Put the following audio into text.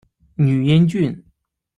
汝阴郡。